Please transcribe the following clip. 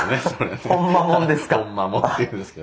ほんまもんですか。